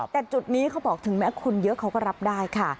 แต่จุดนี้เขาบอกถึงแม้คนเยอะเขาก็รับได้ค่ะ